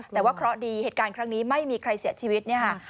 แต่ว่าเคราะห์ดีเหตุการณ์ครั้งนี้ไม่มีใครเสียชีวิตเนี่ยค่ะ